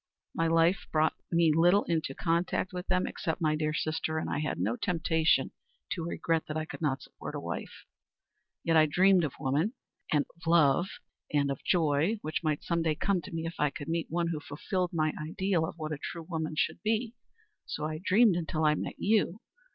My life brought me little into contact with them, except my dear sister, and I had no temptation to regret that I could not support a wife. Yet I dreamed of woman and of love and of a joy which might some day come to me if I could meet one who fulfilled my ideal of what a true woman should be. So I dreamed until I met you.